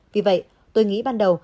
vì vậy tôi nghĩ ban đầu